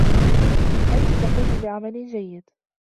أنت تقوم بعمل جيد.